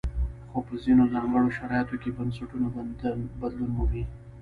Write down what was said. خو په ځینو ځانګړو شرایطو کې بنسټونه بدلون مومي.